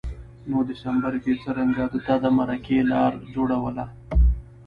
نو دسمبر کي یې څرنګه ده ته د مرکې لار جوړوله